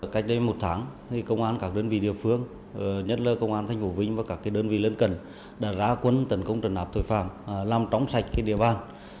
cách đây một tháng công an các đơn vị địa phương nhất là công an thanh hồ vĩnh và các đơn vị lên cần đã ra quân tấn công trần áp tội phạm làm tróng sạch địa bàn